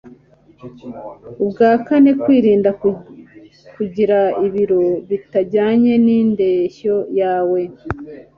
Ubwa kane kwirinda kugira ibiro bitajyanye n'indeshyo yawe.